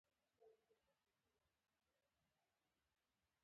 په کلي کې یې لوی غم جوړ کړ.